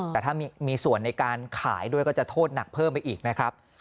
แต่ถ้ามีส่วนในการขายด้วยก็จะโทษหนักเพิ่มไปอีกนะครับ